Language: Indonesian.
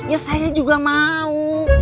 ya saya juga mau